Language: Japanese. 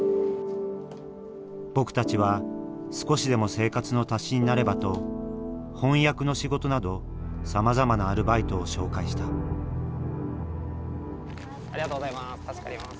僕たちは少しでも生活の足しになればと翻訳の仕事などさまざまなアルバイトを紹介したありがとうございます。